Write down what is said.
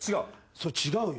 それ違うよ。